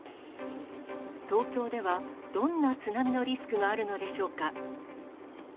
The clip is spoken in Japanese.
東京ではどんな津波のリスクがあるのでしょうか。